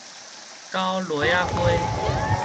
九螺仔花